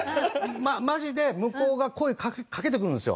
マジで向こうが声かけてくるんですよ。